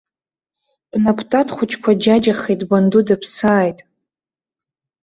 Бнап тат хәыҷқәа џьаџьахеит, банду дыԥсааит.